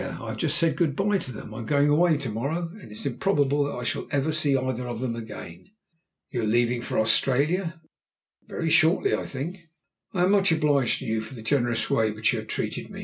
I have just said good bye to them. I am going away to morrow, and it is improbable that I shall ever see either of them again." "You are leaving for Australia?" "Very shortly, I think." "I am much obliged to you for the generous way you have treated me.